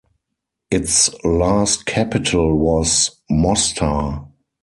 Its last capital was Mostar.